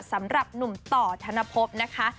สำหรับหนุ่มต่อธนภพนะคะ